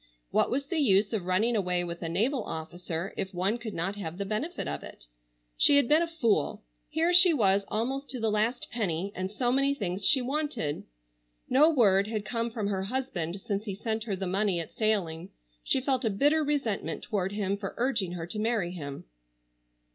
What was the use of running away with a naval officer if one could not have the benefit of it? She had been a fool. Here she was almost to the last penny, and so many things she wanted. No word had come from her husband since he sent her the money at sailing. She felt a bitter resentment toward him for urging her to marry him.